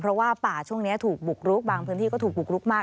เพราะว่าป่าช่วงนี้ถูกบุกรุกบางพื้นที่ก็ถูกบุกรุกมาก